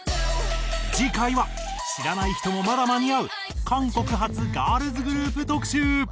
次回は知らない人もまだ間に合う韓国発ガールズグループ特集！